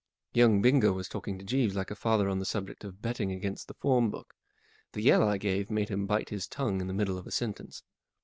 Young Bingo was talking to Jeeves like a father on the subject of betting against the form book. The yell I gave made him bite his tongue in the middle of a sentence.